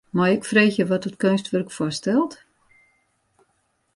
Mei ik freegje wat dat keunstwurk foarstelt?